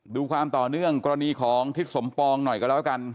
ดูความต่อเนื่องกรณีของทิศสมปองหน่อยกันแล้วกัน